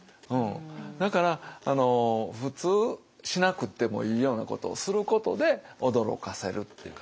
だから普通しなくてもいいようなことをすることで驚かせるというか。